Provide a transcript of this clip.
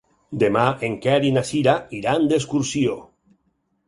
Demà en Quer i na Cira iran d'excursió.